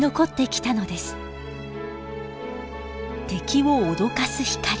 敵を脅かす光。